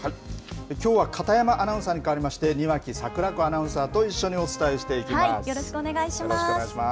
きょうは片山アナウンサーに代わりまして、庭木櫻子アナウンよろしくお願いします。